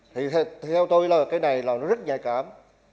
thì theo tôi là cái này là nó rất nhạy cảm